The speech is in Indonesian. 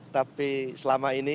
tapi selama ini